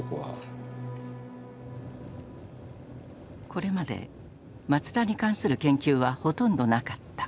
これまで松田に関する研究はほとんどなかった。